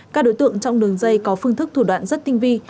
các đối tượng trong đường dây có phương thức thủ đoạn rất tinh vi